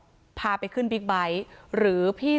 ต่างฝั่งในบอสคนขีดบิ๊กไบท์